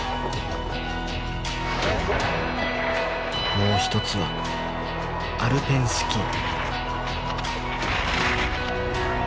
もう一つはアルペンスキー。